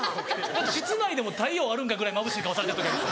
あと室内でも太陽あるんかぐらいまぶしい顔されてる時。